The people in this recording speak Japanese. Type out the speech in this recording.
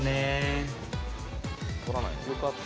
よかった。